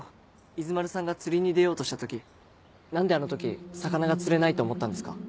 伊豆丸さんが釣りに出ようとした時何であの時魚が釣れないって思ったんですか？